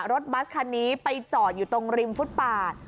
บัสคันนี้ไปจอดอยู่ตรงริมฟุตปาด